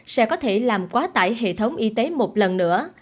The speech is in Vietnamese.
sẽ có thể làm quá tải hệ thống y tế một lần nữa